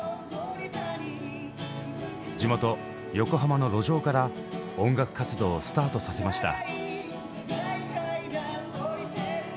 地元横浜の路上から音楽活動をスタートさせました。